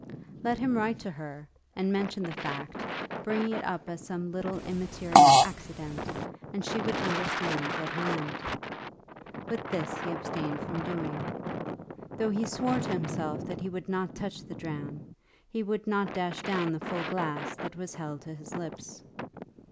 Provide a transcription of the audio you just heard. Let him write to her and mention the fact, bringing it up as some little immaterial accident, and she would understand what he meant. But this he abstained from doing. Though he swore to himself that he would not touch the dram, he would not dash down the full glass that was held to his lips.